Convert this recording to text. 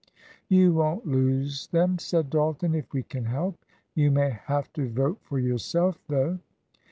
"You won't lose them," said Dalton, "if we can help. You may have to vote for yourself, though."